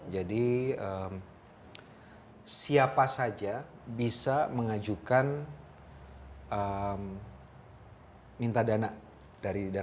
jadi siapa saja bisa mengajukan minta dana